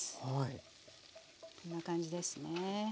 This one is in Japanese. こんな感じですね。